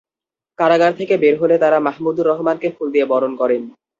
কারাগার থেকে বের হলে তাঁরা মাহমুদুর রহমানকে ফুল দিয়ে বরণ করেন।